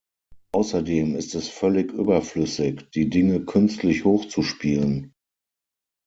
Außerdem ist es völlig überflüssig, die Dinge künstlich hochzuspielen.